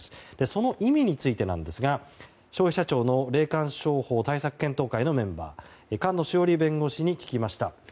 その意味についてですが消費者庁の霊感商法対策検討会のメンバー菅野志桜里弁護士に聞きました。